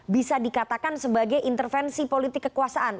bisa dikatakan sebagai intervensi politik kekuasaan